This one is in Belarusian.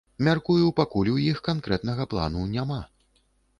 Мяркую, пакуль у іх канкрэтнага плану няма.